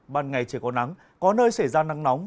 ban ngày trời có nắng có nơi xảy ra nắng nóng